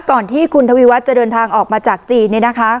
ก่อนที่คุณทวีวัฒน์จะเดินทางออกมาจากจีน